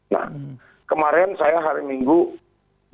nah kemarin saya hari minggu jalan ke raya